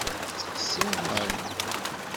Tettqeṣṣiṛ Mary.